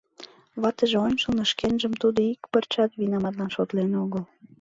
Ватыже ончылно шкенжым тудо ик пырчат винаматлан шотлен огыл.